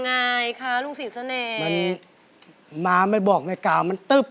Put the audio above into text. อ๋อะหาเบอร์โทรเราไม่เจอ